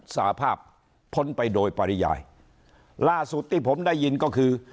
สาภาพพ้นไปโดยปริยายล่าสุดที่ผมได้ยินก็คือ